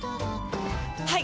はい！